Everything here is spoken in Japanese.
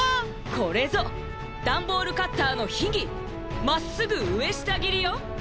これぞダンボールカッターのひぎ「まっすぐうえしたぎり」よ！